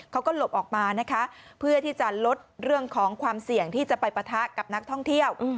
เขาก็หลบออกมานะคะเพื่อที่จะลดเรื่องของความเสี่ยงที่จะไปปะทะกับนักท่องเที่ยว